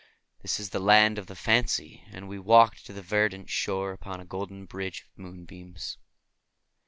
This is the Land of Fancy, and we walked to the verdant shore upon a golden bridge of moonbeams.